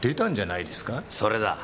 それだ。